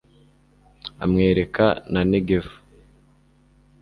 amwereka na negevu